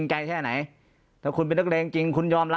ปากกับภาคภูมิ